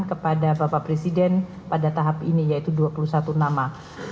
kepada bapak presiden pada tahap ini yaitu dua puluh satu nama